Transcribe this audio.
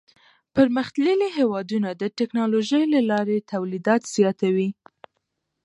پرمختللي هېوادونه د ټکنالوژۍ له لارې تولید زیاتوي.